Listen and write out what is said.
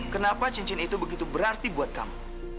kenapa cincin itu begitu berarti buat kamu